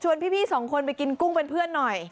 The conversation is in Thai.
พี่สองคนไปกินกุ้งเป็นเพื่อนหน่อย